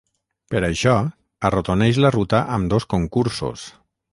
Per això, arrodoneix la ruta amb dos concursos.